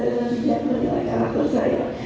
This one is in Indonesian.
dengan bijak menilai kehadir saya